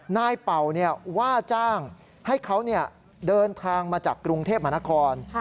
เป่าว่าจ้างให้เขาเดินทางมาจากกรุงเทพมหานคร